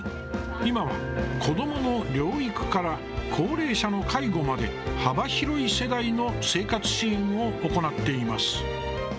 今は子どもの療育から高齢者の介護まで幅広い世代の生活支援を行っています。